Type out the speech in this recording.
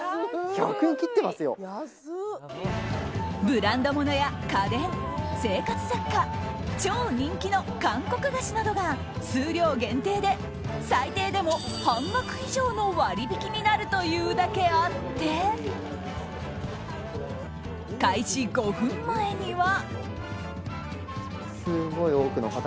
ブランド物や家電、生活雑貨超人気の韓国菓子などが数量限定で最低でも半額以上の割引になるというだけあって開始５分前には。